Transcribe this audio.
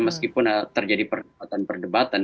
meskipun terjadi perdebatan perdebatan